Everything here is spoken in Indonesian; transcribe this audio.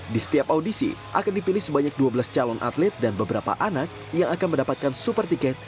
di setiap audisi akan dipilih sebanyak dua belas calon atlet dan beberapa anak yang akan mendapatkan super tiket